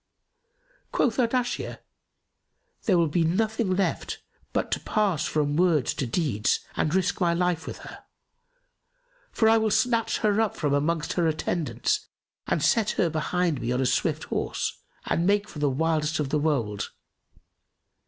Quoth Ardashir, "There will be nothing left but to pass from words to deeds and risk my life with her; for I will snatch her up from amongst her attendants and set her behind me on a swift horse and make for the wildest of the wold.